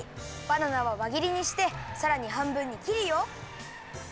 バナナはわぎりにしてさらにはんぶんにきるよ。